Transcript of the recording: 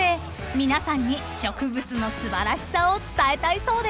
［皆さんに植物の素晴らしさを伝えたいそうです］